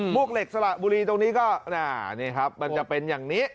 วกเหล็กสละบุรีตรงนี้ก็นี่ครับมันจะเป็นอย่างนี้